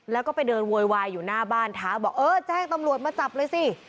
แล้วก็ไปเดินโวยวายอยู่หน้าบ้านท้าบอกเออแจ้งตำรวจมาจับเลยสิ